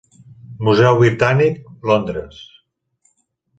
Museu Britànic, Londres.